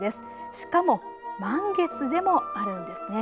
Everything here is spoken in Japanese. しかも満月でもあるんですね。